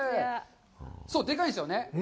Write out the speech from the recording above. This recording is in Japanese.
そう、でかいんですよね。